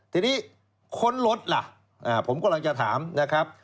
ทีนี้ค้นรถล่ะผมกำลังจะถามนะครับ